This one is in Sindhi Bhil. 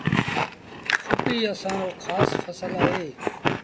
ڦُٽيٚ اسآݩ رو کآس ڦسل اهي